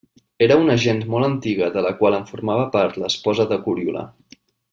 Era una gens molt antiga de la qual en formava part l'esposa de Coriolà.